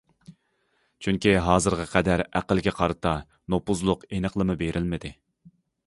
چۈنكى ھازىرغا قەدەر ئەقىلگە قارىتا نوپۇزلۇق ئېنىقلىما بېرىلمىدى.